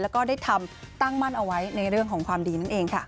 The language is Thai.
แล้วก็ได้ทำตั้งมั่นเอาไว้ในเรื่องของความดีนั่นเองค่ะ